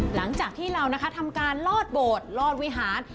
หลังจากที่เรานะคะทำการลอดโบสถ์ลอดวิหาร